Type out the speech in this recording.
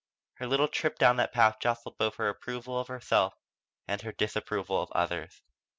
Her little trip down that path jostled both her approval of herself and her disapproval of others.